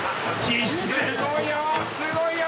すごい泡！